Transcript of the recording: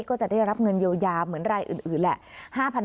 ก็จะได้รับเงินเยียวยาเหมือนรายอื่นแหละ